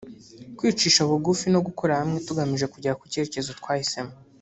kwicisha bugufi no gukorera hamwe tugamije kugera ku cyerekezo twahisemo